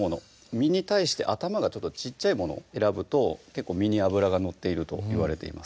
身に対して頭が小っちゃいものを選ぶと結構身に脂がのっているといわれています